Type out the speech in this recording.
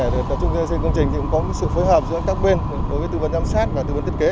để tập trung xây dựng công trình thì cũng có sự phối hợp giữa các bên đối với tư vấn giám sát và tư vấn thiết kế